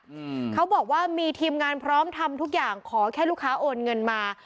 อืมเขาบอกว่ามีทีมงานพร้อมทำทุกอย่างขอแค่ลูกค้าโอนเงินมา